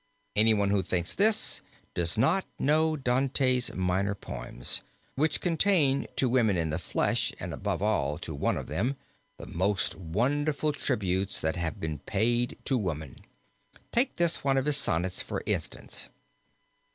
Anyone who thinks this does not know Dante's minor poems, which contain to women in the flesh and above all to one of them, the most wonderful tributes that have ever been paid to woman. Take this one of his sonnets for instance.